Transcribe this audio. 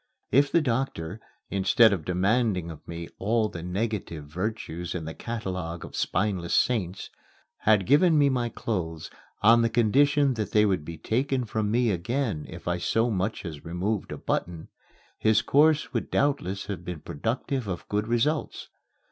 If the doctor, instead of demanding of me all the negative virtues in the catalogue of spineless saints, had given me my clothes on the condition that they would be taken from me again if I so much as removed a button, his course would doubtless have been productive of good results.